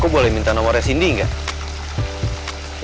boleh minta nomornya cindy nggak